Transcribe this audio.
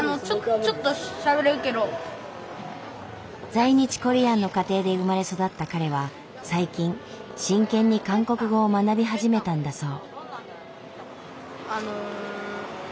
在日コリアンの家庭で生まれ育った彼は最近真剣に韓国語を学び始めたんだそう。